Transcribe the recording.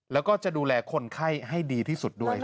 แล้วก็จะดูแลคนไข้ให้ดีที่สุดด้วย